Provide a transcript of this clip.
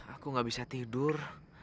aku gak bisa tidur